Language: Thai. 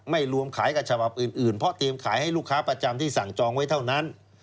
ไม่รวมขายกับฉบับอื่นเพราะเตรียมขายให้ลูกค้าประจำที่สั่งจองไว้เท่านั้น